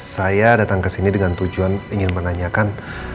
saya datang kesini dengan tujuan ingin menanyakan